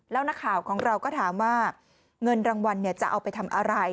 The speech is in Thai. แล้วนักข่าวของเราก็ถามว่าเงินรางวัลจะเอาไปทำอะไร